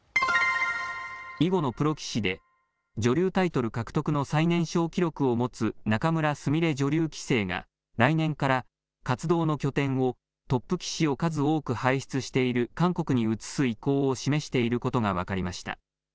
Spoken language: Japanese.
囲碁のプロ棋士で女流タイトル獲得の最年少記録を持つ仲邑菫女流棋聖が来年から活動の拠点をトップ棋士を数多く輩出している韓国に移す意向を示していることが分かりました。